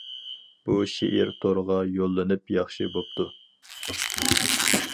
بۇ شېئىر تورغا يوللىنىپ ياخشى بوپتۇ.